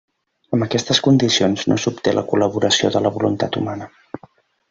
Amb aquestes condicions no s'obté la col·laboració de la voluntat humana.